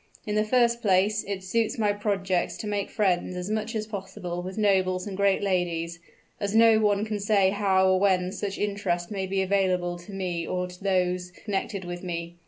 In the first place it suits my projects to make friends as much as possible with nobles and great ladies; as no one can say how or when such interest may be available to me or to those connected with me.